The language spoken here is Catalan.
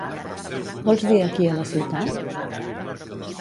Vols dir aquí a la ciutat?